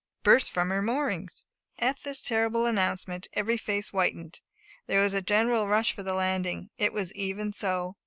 Burst from her moorings!" At this terrible announcement, every face whitened, and there was a general rush for the landing. It was even so.